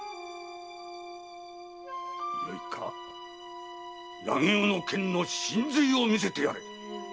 よいか柳生の剣の神髄を見せてやれ！